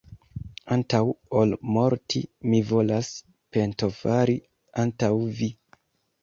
antaŭ ol morti, mi volas pentofari antaŭ vi!